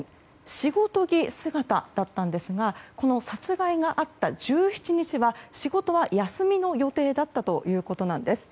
仕事着姿だったんですが殺害があった１７日は仕事は休みの予定だったということなんです。